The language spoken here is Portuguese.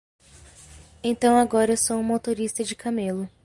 Então agora eu sou um motorista de camelo.